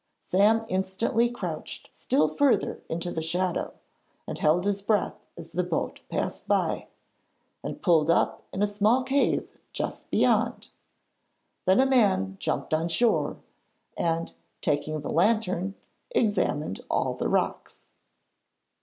Sam instantly crouched still farther into the shadow, and held his breath as a boat passed by, and pulled up in a small cave just beyond. Then a man jumped on shore, and, taking the lantern, examined all the rocks.